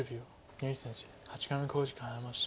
牛先生８回目の考慮時間に入りました。